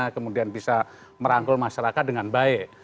kemudian bisa merangkul masyarakat dengan baik